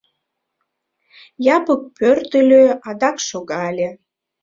Япык пӧртыльӧ, адак шогале...